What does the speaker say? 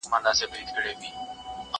لوڅ لپړ وو په كوټه كي درېدلى